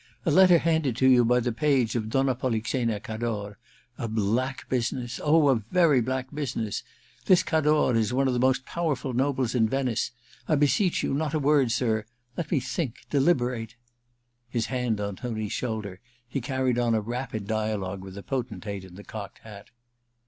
A letter handed to you by the page of Donna Polixena Cador. — A black business ! Oh, a very black business ! This Gulor is one of the most powerful nobles in Venice — I beseech you, not a word, ar ! Let me think — deliberate ' His hand on Tony's shoulder, he carried oti a rapid dialogue with the potentate in the cocked hat.